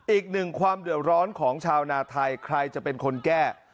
อีกหนึ่งความเดือดร้อนของชาวนาไทยใครจะเป็นคนแก้